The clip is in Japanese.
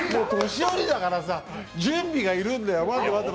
年寄りだからさ、準備がいるんだよ